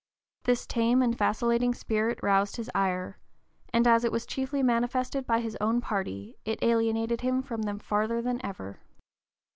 This tame and vacillating spirit roused his ire, and as it was chiefly manifested by his own party it alienated him from them farther than ever.